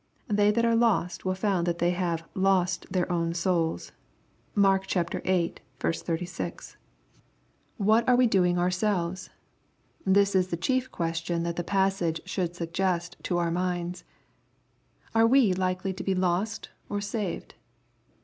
They that are lost will find that they have ?<>st tb«>ii own souls." (Mark viii. 36.) LUKE CHAP. YII. 225 What are we doing ourselves? This is the chief question that the passage should suggest to our minds« Are we likely to be lost or saved